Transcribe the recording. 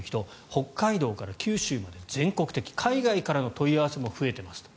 北海道から九州まで全国的、海外からの問い合わせも増えていますと。